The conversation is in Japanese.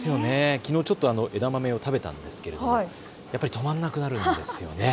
きのう枝豆を食べたんですけれども止まらなくなるんですよね。